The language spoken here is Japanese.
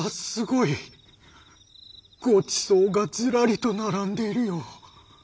ごちそうがずらりと並んでいるよ。